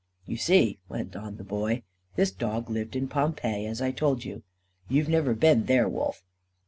"You see," went on the Boy, "this dog lived in Pompeii, as I told you. You've never been there, Wolf."